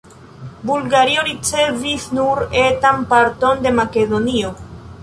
Bulgario ricevis nur etan parton de Makedonio.